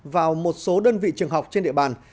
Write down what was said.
vào một số đơn vị trường học trên địa bàn